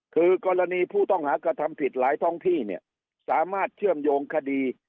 คือกรณีผู้ต้องหากระทำผิดหลายท้องที่เนี่ยสามารถเชื่อมโยงคดี